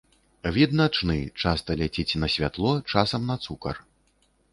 Від начны, часта ляціць на святло, часам на цукар.